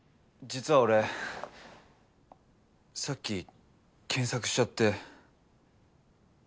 実は俺さっき検索しちゃって。